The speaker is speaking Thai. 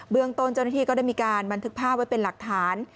เมืองต้นเจ้าหน้าที่ก็ได้มีการบันทึกภาพไว้เป็นหลักฐาน